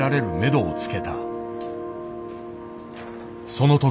その時。